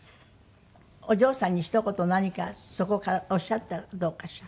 お嬢さんにひと言何かそこからおっしゃったらどうかしら。